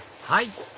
はい！